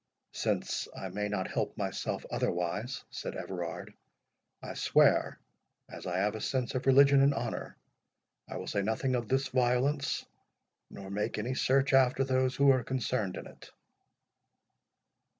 "Since I may not help myself otherwise," said Everard, "I swear, as I have a sense of religion and honour, I will say nothing of this violence, nor make any search after those who are concerned in it."